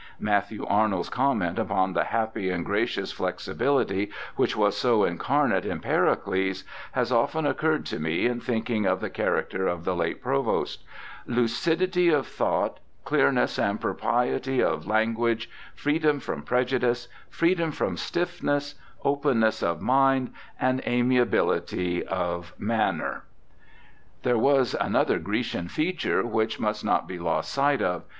Matthew Arnold's comment upon the happy and gracious flexibility which was so incarnate in Pericles has often occurred to me in thinking of the character of the late Provost :' Lucidity of thought, clearness and propriety of language, freedom from prejudice, freedom from stiffness, openness of mind, and amiability of manner.' There was another Grecian feature which must not be lost sight of.